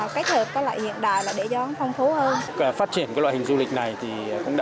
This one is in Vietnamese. kết hợp với lại hiện đại là để gió phong phú hơn phát triển cái loại hình du lịch này thì cũng đã